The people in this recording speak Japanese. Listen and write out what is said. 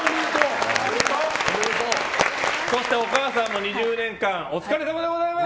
そして、お母さんも２０年間お疲れさまでございます！